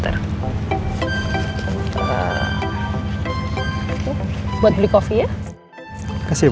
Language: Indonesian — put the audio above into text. terima kasih ya bu